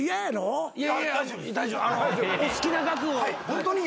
ホントに。